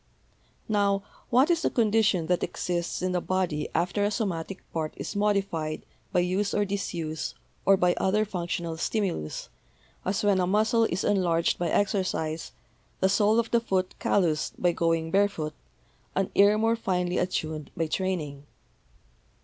Now, what is the condition that exists in the body after a somatic part is modified by use or disuse or by other functional stimulus, as when a muscle is enlarged by exercise, the sole of the foot calloused by going bare foot, an ear more finely attuned by training?